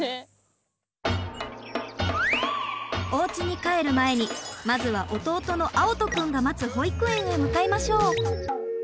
おうちに帰る前にまずは弟の葵士くんが待つ保育園へ向かいましょう！